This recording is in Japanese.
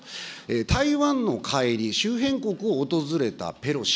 台湾の帰り、周辺国を訪れたペロシ。